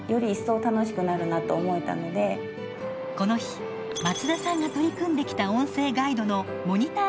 この日松田さんが取り組んできた音声ガイドのモニター